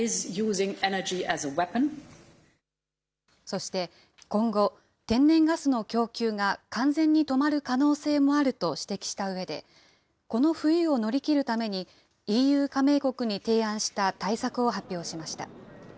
そして今後、天然ガスの供給が完全に止まる可能性もあると指摘したうえで、この冬を乗り切るために、ＥＵ加盟国に提案した対策を発表しました。